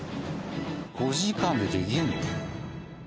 ５時間でできるの？